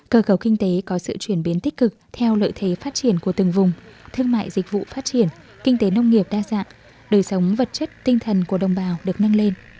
cơ cầu kinh tế có sự chuyển biến tích cực theo lợi thế phát triển của từng vùng thương mại dịch vụ phát triển kinh tế nông nghiệp đa dạng đời sống vật chất tinh thần của đồng bào được nâng lên